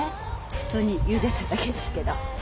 普通にゆでただけですけど。